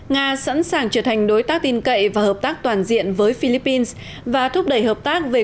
nga sẵn sàng trở thành đối tác tin cậy và hợp tác toàn diện với philippines và thúc đẩy hợp tác về